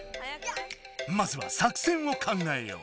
まずは作戦を考えよう！